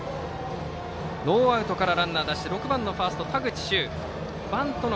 ノーアウトからランナーを出して６番ファースト、田口周がバッターボックス。